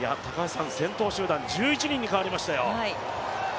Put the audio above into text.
先頭集団１１人に変わりましたよ。